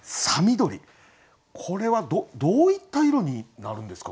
これはどういった色になるんですか？